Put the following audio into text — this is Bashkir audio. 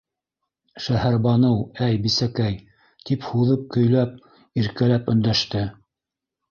— Шәһәрбаныу, әй, бисәкәй!.. — тип һуҙып көйләп, иркәләп өндәште.